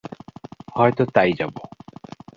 হয়ত তাই যাবো।